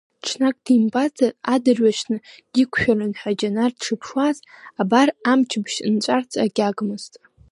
Ҽнак димбазар, адырҩаҽны диқәшәарын ҳәа Џьанар дшыԥшуаз, абар амчыбжь нҵәарц агьагмызт.